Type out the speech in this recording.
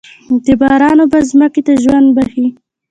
د باران اوبه ځمکې ته ژوند بښي.